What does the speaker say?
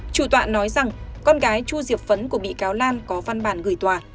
chủ tọa nói rằng con gái chu duyệt phấn của bị cáo lan có văn bản gửi tòa